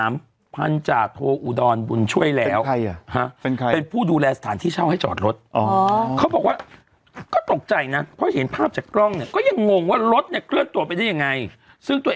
มันมีที่กั้นด้วยมาได้ยังไงแล้ว